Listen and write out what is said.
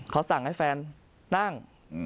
เขาสั่งให้แฟนนั่ง